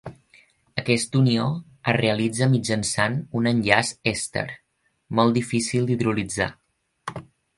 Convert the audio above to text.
Aquesta unió es realitza mitjançant un enllaç èster, molt difícil d'hidrolitzar.